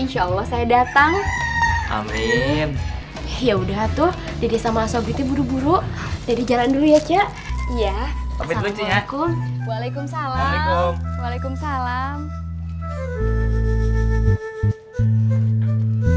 insyaallah saya datang amin ya udah tuh dede sama sobri tuh buru buru dede jalan dulu ya cie